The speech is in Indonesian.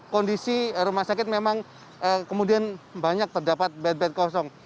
kondisi rumah sakit memang kemudian banyak terdapat bed bed kosong